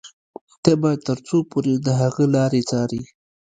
ته به تر څو پورې د هغه لارې څاري.